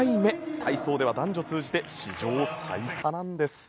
体操では男女通じて史上最多なんです。